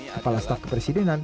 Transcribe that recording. kepala staf kepresidenan